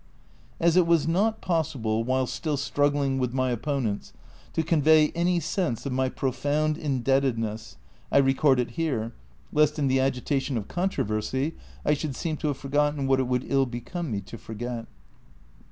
As it was not possible, while still struggling with my opponents, to convey any sense of my profound in debtedness, I record it here, lest in the agitation of controversy I should seem to have forgotten what it would ill become me to forget.